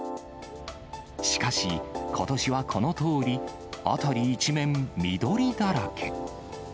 しかし、ことしはこのとおり、辺り一面、緑だらけ。